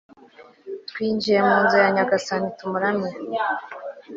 twinjiye mu nzu ya nyagasani, tumuramye